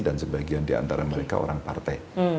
dan sebagian di antara mereka orang partai